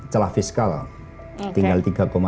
celah fiskal tinggal tiga enam